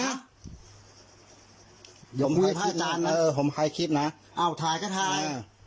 เนี้ยหมือพ่ออาจารย์น่ะเออผมใครคิดน่ะอ้าวถ่ายก็ถ่าย